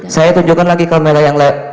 saya tunjukkan lagi kamera yang lain